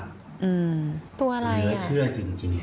อืมตัวอะไรแนลเชือกจริงตัวอะไร